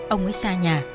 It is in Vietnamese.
ông ấy xa nhà